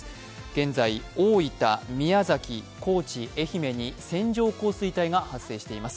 現在大分、宮崎、高知、愛媛に線状降水帯が発生しています。